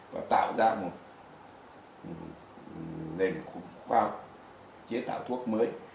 và tạo ra một nền khoa học chế tạo thuốc mới